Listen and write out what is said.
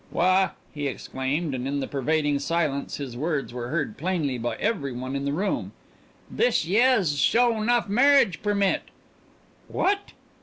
"Why," he exclaimed, and in the pervading silence his words were heard plainly by every one in the room, "this yeah's a sho nuff marriage permit." "What?"